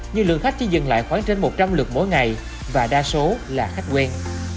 nhưng lượng khách chỉ dừng lại khoảng trên một trăm linh lượt mỗi ngày và đa số là khách quen